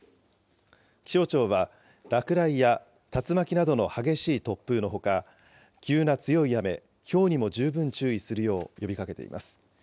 気象庁は、落雷や竜巻などの激しい突風のほか、急な強い雨、ひょうにも十分注意するよう呼びかけています。